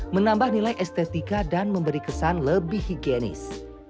menambah nilai estetika dan memberi kesan lebih higienis